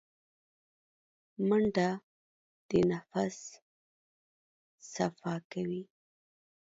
منډه د نفس صفا کوي